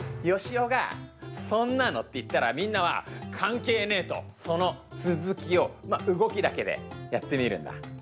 よしおが「そんなの」って言ったらみんなは「関係ねえ」とその続きを動きだけでやってみるんだ。